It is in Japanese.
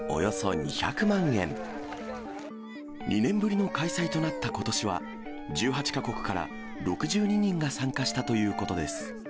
２年ぶりの開催となったことしは、１８か国から６２人が参加したということです。